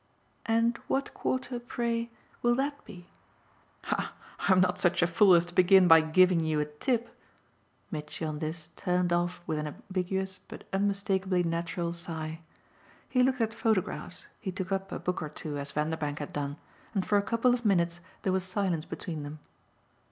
"And what quarter, pray, will that be?" "Ah I'm not such a fool as to begin by giving you a tip!" Mitchy on this turned off with an ambiguous but unmistakeably natural sigh; he looked at photographs, he took up a book or two as Vanderbank had done, and for a couple of minutes there was silence between them.